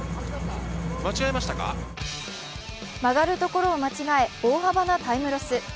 曲がるところを間違え、大幅なタイムロス。